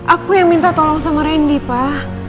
aku yang minta tolong sama randy pak